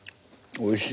おいしい。